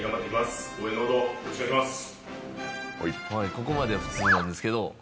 ここまでは普通なんですけど。